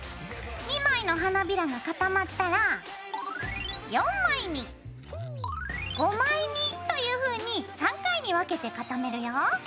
２枚の花びらが固まったら４枚に５枚にというふうに３回に分けて固めるよ。